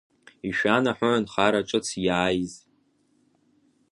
Ишәанаҳәои анхара ҿыц иааиз?